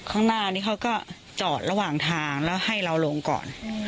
ข้างหน้านี้เขาก็จอดระหว่างทางแล้วให้เราลงก่อน